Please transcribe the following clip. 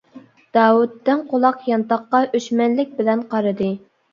داۋۇت دىڭ قۇلاق يانتاققا ئۆچمەنلىك بىلەن قارىدى.